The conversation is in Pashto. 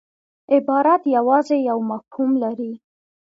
عبارت یوازي یو مفهوم لري.